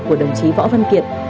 của đồng chí võ văn kiệt